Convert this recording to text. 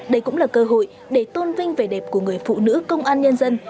đây cũng là cơ hội để tôn vinh vẻ đẹp của người phụ nữ công an nhân dân